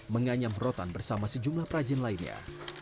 menganyam rotan bersama sejumlah perajin lainnya